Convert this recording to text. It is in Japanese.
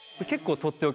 とっておき！